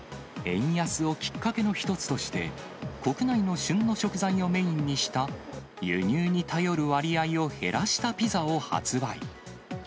円安をきっかけの一つとして、国内の旬の食材をメインにした、輸入に頼る割合を減らしたピザを発売。